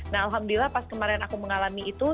nah alhamdulillah pas kemarin aku mengalami itu